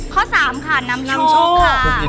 ข้อ๓ค่ะนำโชค